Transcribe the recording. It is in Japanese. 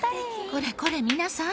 「これこれみなさん！